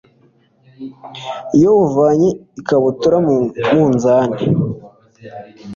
iyo uvanye ikabutura mu munzani